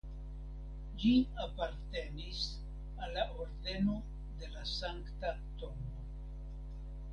Ĝi apartenis al la Ordeno de la Sankta Tombo.